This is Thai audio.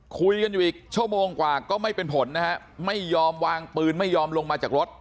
คุยกันอยู่อีกชั่วโมงกว่าก็ไม่เป็นผลนะฮะไม่ยอมวางปืนไม่ยอมลงมาจากรถ